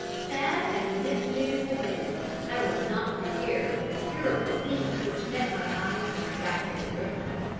Sad as Nip's news had been, I was not prepared for the terrible scene which met my eyes when I got near the river.